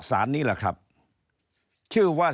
สวัสดีครับท่านผู้ชมครับ